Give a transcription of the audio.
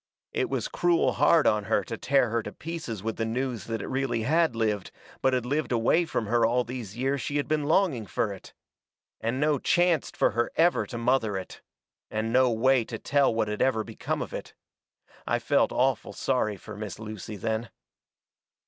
It was cruel hard on her to tear her to pieces with the news that it really had lived, but had lived away from her all these years she had been longing fur it. And no chancet fur her ever to mother it. And no way to tell what had ever become of it. I felt awful sorry fur Miss Lucy then.